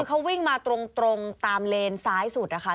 เขาวิ่งมาตรงตามเลนซ้ายสุดนะคะ